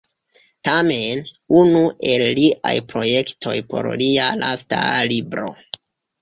Tamen, unu el liaj projektoj por lia lasta libro.